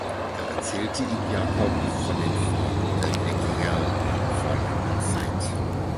Da erzählte ihm Jakob von den Fahrten der Wikinger vor langer Zeit.